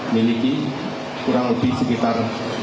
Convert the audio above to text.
miliki kurang lebih sekitar empat ratus enam puluh tiga